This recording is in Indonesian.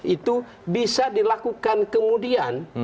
itu bisa dilakukan kemudian